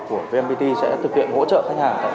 của vnpt sẽ thực hiện hỗ trợ khách hàng